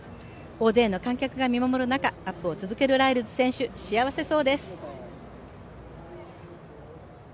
大勢の観客が見守る中アップを続けるライルズ選手幸せそうです。